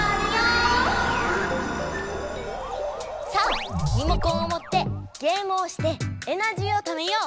さあリモコンをもってゲームをしてエナジーをためよう！